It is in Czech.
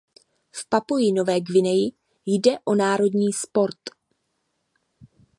V Papui Nové Guineji jde o národní sport.